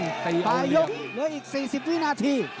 ตีโอเลียปลายยกเหลืออีก๔๐วินาที